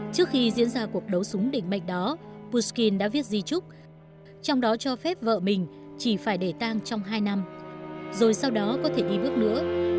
trước khi diễn ra cuộc đấu súng đỉnh mạnh đó putin đã viết di trúc trong đó cho phép vợ mình chỉ phải để tang trong hai năm rồi sau đó có thể đi bước nữa